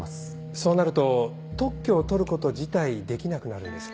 そうなると特許を取ること自体できなくなるんです。